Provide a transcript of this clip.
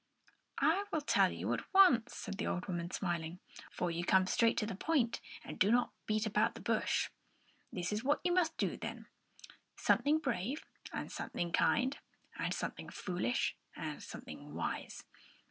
"I will tell you at once," said the old woman, smiling, "for you come straight to the point and do not beat about the bush. This is what you must do, then: something brave and something kind and something foolish and something wise.